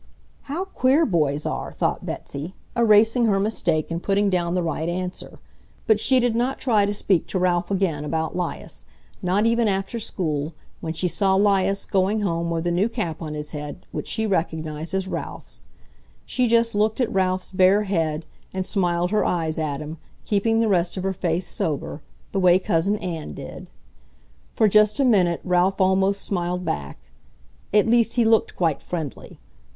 "How queer boys are!" thought Betsy, erasing her mistake and putting down the right answer. But she did not try to speak to Ralph again about 'Lias, not even after school, when she saw 'Lias going home with a new cap on his head which she recognized as Ralph's. She just looked at Ralph's bare head, and smiled her eyes at him, keeping the rest of her face sober, the way Cousin Ann did. For just a minute Ralph almost smiled back. At least he looked quite friendly.